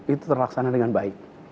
itu terlaksana dengan baik